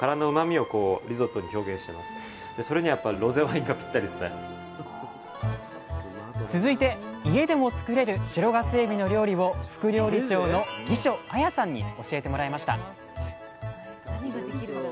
堀さんが合わせてくれたのが続いて家でも作れる白ガスエビの料理を副料理長の議所絢さんに教えてもらいました